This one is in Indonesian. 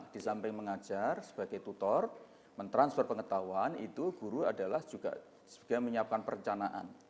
di samping mengajar sebagai tutor mentransfer pengetahuan itu guru adalah juga sebagai menyiapkan perencanaan